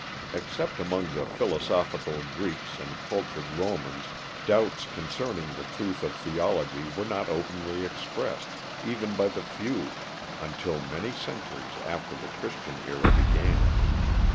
Except among the philosophical Greeks and cultured Romans, doubts concerning the truth of theology were not openly expressed, even by the few, until many centuries after the Christian era began.